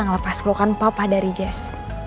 ngelepas keluhkan papa dari jess